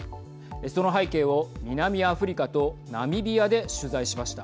その背景を南アフリカとナミビアで取材しました。